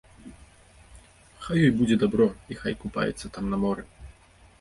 Хай ёй будзе дабро і хай купаецца там на моры.